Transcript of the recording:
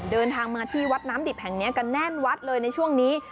เดินทางมาที่วัดน้ำดิบแห่งนี้กันแน่นวัดเลยในช่วงนี้